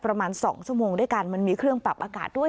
ประมาณ๒ชั่วโมงด้วยกันมันมีเครื่องปรับอากาศด้วย